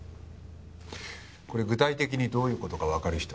これ具体的にどういう事かわかる人？